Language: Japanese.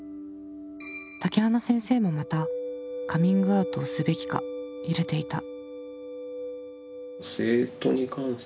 竹花先生もまたカミングアウトをすべきか揺れていた。